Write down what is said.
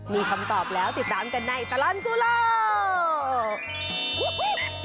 มีคำตอบแล้วติดตามกันในตลอดกู้โลก